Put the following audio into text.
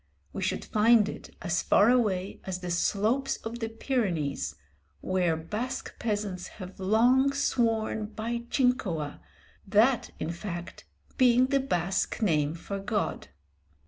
We should find it as far away as the slopes of the Pyrenees, where Basque peasants have long sworn by Jincoa, that in fact being the Basque name for God.